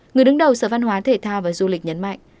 người đứng đầu sở văn hóa thể thao và du lịch nhấn mạnh